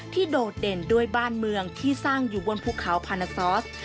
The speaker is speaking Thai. โดดเด่นด้วยบ้านเมืองที่สร้างอยู่บนภูเขาพานาซอส